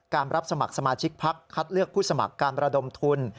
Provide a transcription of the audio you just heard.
รับสมัครสมาชิกพักคัดเลือกผู้สมัครการประดมทุน